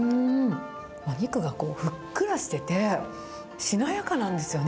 お肉がこう、ふっくらしてて、しなやかなんですよね。